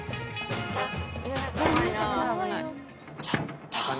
ちょっと。